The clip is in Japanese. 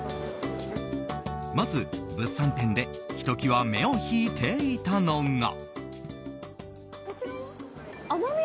まず物産展でひときわ目を引いていたのが。